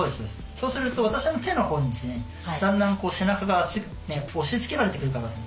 そうすると私の手のほうにだんだん背中が押しつけられてくるかなと。